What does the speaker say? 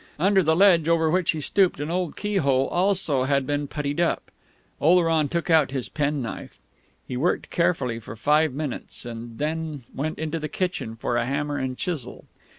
Under the ledge over which he stooped an old keyhole also had been puttied up. Oleron took out his penknife. He worked carefully for five minutes, and then went into the kitchen for a hammer and chisel.